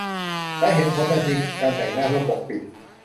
และเห็นผลทันทีคือการแต่งหน้าเพื่อปกปิด